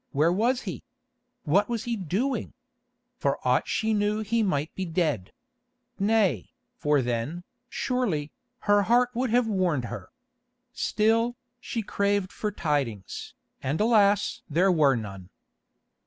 Where was he? What was he doing? For aught she knew he might be dead. Nay, for then, surely, her heart would have warned her. Still, she craved for tidings, and alas! there were none.